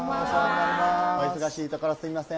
お忙しいところ、すみません。